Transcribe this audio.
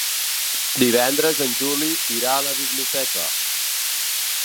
Divendres en Juli irà a la biblioteca.